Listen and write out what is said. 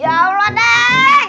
ya allah neng